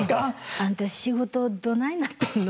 「あんた仕事どないなってんの？」